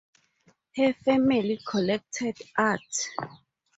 Her family collected art.